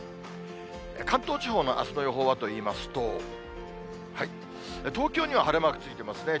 関東地方のあすの予報はといいますと、東京には晴れマークついてますね。